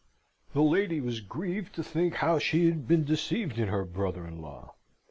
The lady was grieved to think how she had been deceived in her brother in law.